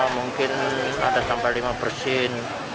mungkin ada tambah lima persen